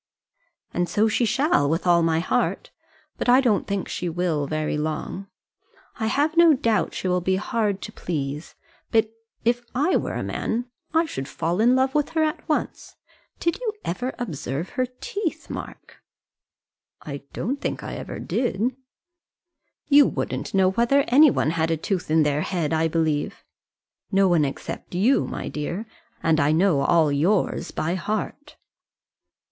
"And so she shall, with all my heart. But I don't think she will, very long. I have no doubt she will be hard to please; but if I were a man I should fall in love with her at once. Did you ever observe her teeth, Mark?" "I don't think I ever did." "You wouldn't know whether any one had a tooth in their head, I believe." "No one except you, my dear; and I know all yours by heart."